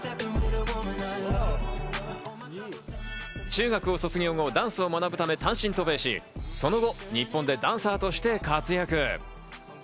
中学を卒業後、ダンスを学ぶため単身渡米し、その後、日本でダンサーとして活躍。